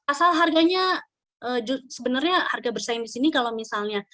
asal harganya sebenarnya harga bersaing di sini kalau misalnya